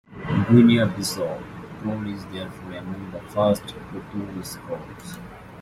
Guinea-Bissau Creole is therefore among the first Portuguese Creoles.